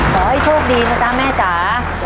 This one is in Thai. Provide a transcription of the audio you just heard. ขอให้โชคดีนะจ๊ะแม่จ๋า